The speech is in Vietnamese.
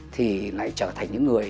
thì lại trở thành những người